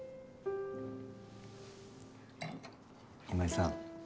今井さん